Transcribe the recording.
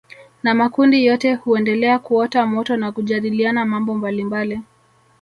Na makundi yote huendelea kuota moto na kujadiliana mambo mbalimbali